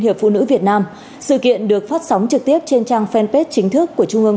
hiệp phụ nữ việt nam sự kiện được phát sóng trực tiếp trên trang fanpage chính thức của trung ương